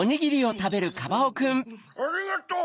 ありがとう！